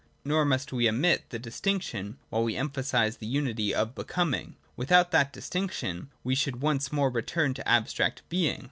Nor must we omit the dis tinction, while we emphasise the unity of Becoming : with out that distinction we should once more return to abstract Being.